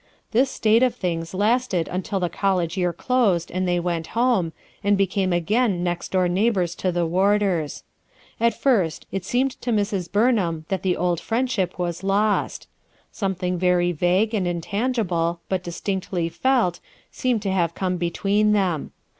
This state of tilings lasted until the college year closed and they went home, and became again next door neighbors to the Warders. At first, IDEAL CONDITIONS 7?j it seemed to Mrs. Bumham that the old friend ship was lost. Something very vague and in tangible, but distinctly felt, seemed to have come between them.